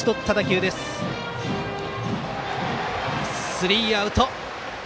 スリーアウト。